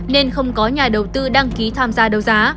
nên không có nhà đầu tư đăng ký tham gia đấu giá